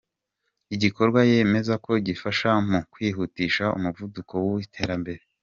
Igikorwa yemeza ko gifasha mu kwihutisha umuvuduko w’ iterambere.